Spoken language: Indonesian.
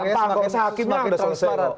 oh gampang kok sehakim lah udah selesai kok